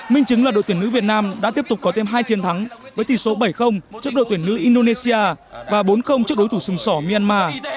minh chứng là đội tuyển nữ việt nam đã tiếp tục có thêm hai chiến thắng với tỷ số bảy trước đội tuyển nữ indonesia và bốn trước đối thủ sừng sỏ myanmar